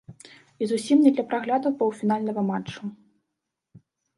І зусім не для прагляду паўфінальнага матчу.